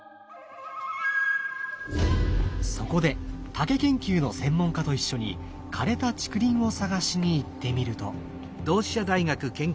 そこで竹研究の専門家と一緒に枯れた竹林を探しに行ってみると。